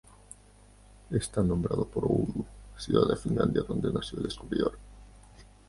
Está nombrado por Oulu, ciudad de Finlandia donde nació el descubridor.